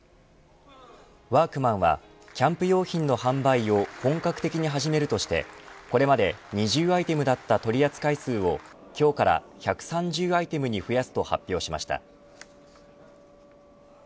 ワークマンはキャンプ用品の販売を本格的に始めるとしてこれまで２０アイテムだった取り扱い数を今日から１３０アイテムに増やすと発表しました。